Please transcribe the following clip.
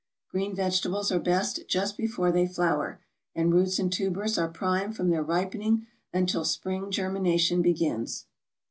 Green vegetables are best just before they flower; and roots and tubers are prime from their ripening until spring germination begins.